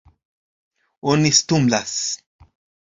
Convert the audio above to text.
Oni stumblas.